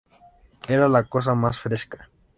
Era la cosa más fresca.